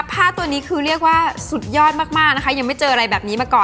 ผ้าตัวนี้คือเรียกว่าสุดยอดมากนะคะยังไม่เจออะไรแบบนี้มาก่อน